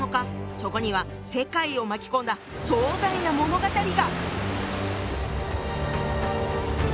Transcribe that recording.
そこには世界を巻き込んだ壮大な物語が！